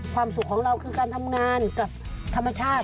สุขของเราคือการทำงานกับธรรมชาติ